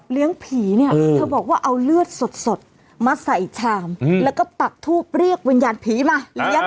เลี้ยงผีเนี่ยเธอบอกว่าเอาเลือดสดมาใส่ชามแล้วก็ตัดทูปเรียกวิญญาณผีมา